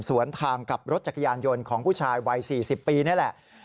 สวนทางกับรถจักรยานยนต์ของผู้ชายวัย๔๐ปีนี่แหละ